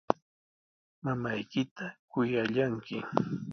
Mamaykita kuyallanki.